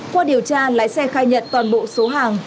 qua điều tra lái xe khai nhận toàn bộ số hàng